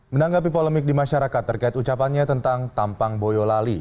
menanggapi polemik di masyarakat terkait ucapannya tentang tampang boyolali